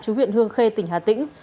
chú huyện hương khê tỉnh hà tĩnh